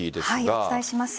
お伝えします。